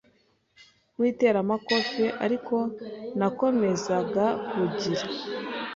w’iteramakofe ariko nakomezaga kugira